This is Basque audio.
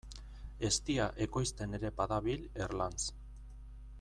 Eztia ekoizten ere badabil Erlanz.